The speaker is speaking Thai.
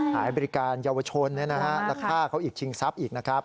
หายบริการเยาวชนแล้วฆ่าเขาอีกชิงทรัพย์อีกนะครับ